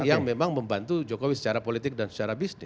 yang memang membantu jokowi secara politik dan secara bisnis